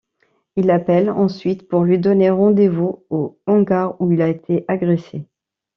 Il l'appelle ensuite pour lui donner rendez-vous au hangar où il a été agressé.